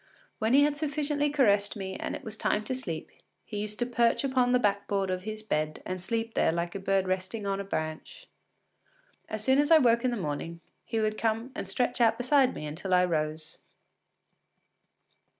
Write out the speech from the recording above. When he had sufficiently caressed me and it was time to sleep he used to perch upon the backboard of his bed and slept there like a bird roosting on a branch. As soon as I woke in the morning, he would come and stretch out beside me until I rose.